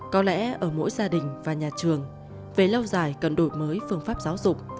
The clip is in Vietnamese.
có lẽ ở mỗi gia đình và nhà trường về lâu dài cần đổi mới phương pháp giáo dục